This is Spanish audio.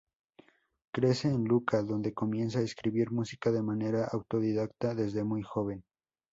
Crece en Lucca, donde comienza a escribir música de manera autodidacta desde muy joven.